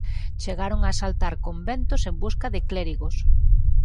Chegaron a asaltar conventos en busca de clérigos.